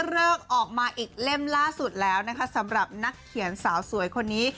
ออกมาอีกเล่มล่าสุดแล้วนะคะสำหรับนักเขียนสาวสวยคนนี้